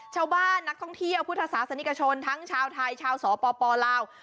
ชาวบ้านนักท่องเที่ยวพุทธศาสนิกชนทั้งชาวไทยชาวสปลาว